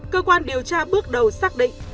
cơ quan điều tra bước đầu xác định